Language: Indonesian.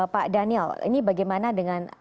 pak daniel ini bagaimana dengan